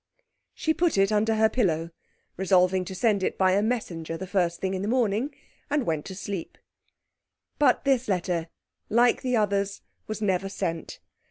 She put it under her pillow, resolving to send it by a messenger the first thing in the morning, and went to sleep. But this letter, like the others, was never sent.